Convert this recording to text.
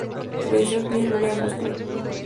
Su edición tiene lugar en Moscú.